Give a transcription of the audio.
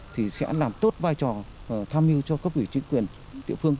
thì sẽ làm tốt vai trò tham mưu cho cấp ủy chính quyền địa phương